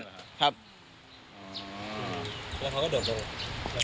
อ๋อแล้วเขาก็เดินลง